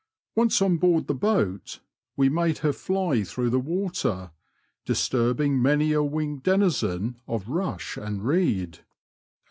Once on board the boat, we made her fly through the water, disturbing many a winged denizen of rush and reed.